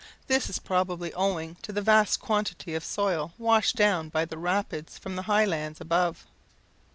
This is probably owing to the vast quantity of soil washed down by the rapids from the high lands above.